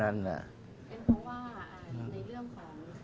เพราะว่าในเรื่องของ